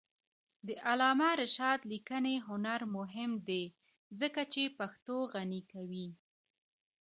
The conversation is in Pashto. د علامه رشاد لیکنی هنر مهم دی ځکه چې پښتو غني کوي.